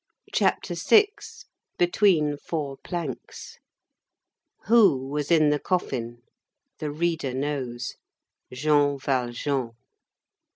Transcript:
CHAPTER VI—BETWEEN FOUR PLANKS Who was in the coffin? The reader knows. Jean Valjean.